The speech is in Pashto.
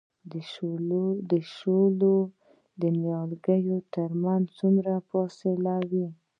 د شالیو د نیالګیو ترمنځ څومره فاصله وي؟